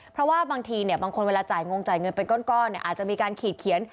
เพราะว่าบางทีบางคนเวลาจ่ายงงจ่ายเงินเป็นก้อนอาจจะมีการขีดเขียน